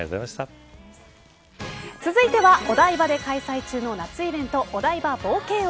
続いてはお台場で開催中の夏イベントお台場冒険王。